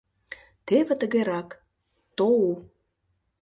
Теве тыгерак: ТОУ...